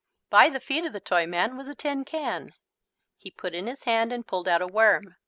By the feet of the Toyman was a tin can. He put in his hand and pulled out a worm.